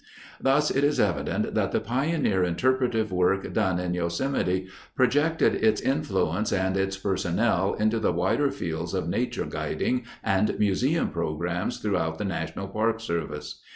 Thus it is evident that the pioneer interpretive work done in Yosemite projected its influence and its personnel into the wider fields of "nature guiding" and museum programs throughout the National Park Service.